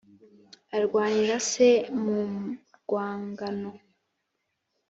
arwanira se mu rwangano.